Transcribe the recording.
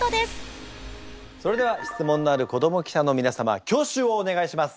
それでは質問のある子ども記者の皆様挙手をお願いします。